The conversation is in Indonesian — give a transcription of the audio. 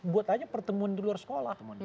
buat aja pertemuan di luar sekolah